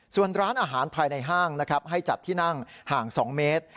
ส่วนร้านอาหารภายในห้างนะครับให้จัดที่นั่งห่าง๒เมตร